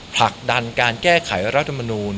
ผลักดันการแก้ไขรัฐมนูล